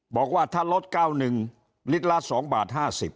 บอกว่าถ้าลด๙๑ลิลละ๒บาท๕๐